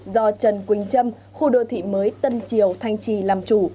do trần quỳnh trâm khu đô thị mới tân triều thanh trì làm chủ